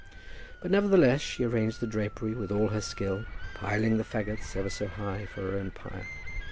But, nevertheless, she arranged the drapery with all her skill, piling the fagots ever so high for her own pyre.